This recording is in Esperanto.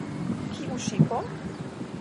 Kiu ŝipo?